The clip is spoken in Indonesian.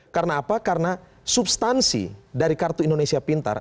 karena apa karena substansi dari kartu indonesia pintar